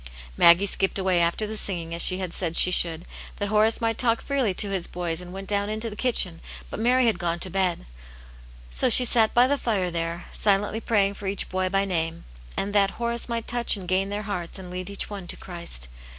Maggie iskipped away after the singing, as she had isaid she should, that Horace might talk freely to his boys, and went dqwn into the kitchen, but Mary h^df gone to bed. So she sat by the fire there, silently praying for each boy by name, and that Horace might touch and gain their hearts, and lead each one to Christ.